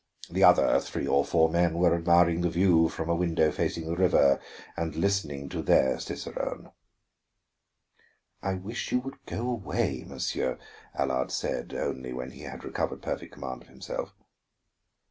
The other three or four men were admiring the view from a window facing the river, and listening to their cicerone. "I wish you would go away, monsieur," Allard said only, when he had recovered perfect command of himself.